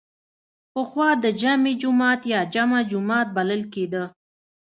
پخوا د جمعې جومات یا جمعه جومات بلل کیده.